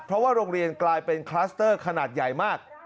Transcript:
เพราะว่าโรงเรียนกลายเป็นคลัสเตอร์ขนาดใหญ่มาก